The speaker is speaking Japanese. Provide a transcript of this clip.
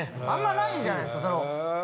あんまないじゃないですか。